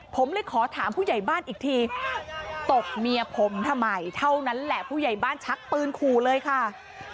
ผมเลยขอถามผู้ใหญ่บ้านอีกทีตบเมียผมทำไมเท่านั้นแหละผู้ใหญ่บ้านชักปืนขู่เลยค่ะ